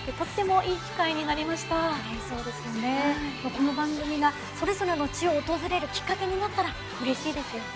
この番組がそれぞれの地を訪れるきっかけになったらうれしいですよね。